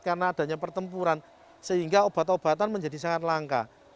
karena adanya pertempuran sehingga obat obatan menjadi sangat langka